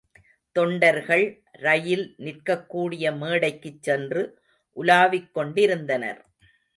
தொண்டர்கள் ரயில் நிற்கக்கூடிய மேடைக்குச் சென்று உலாவிக்கொண்டிருந்தனர்.